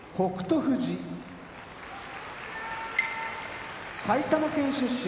富士埼玉県出身